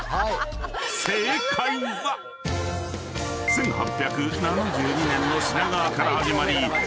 ［１８７２年の品川から始まり上野］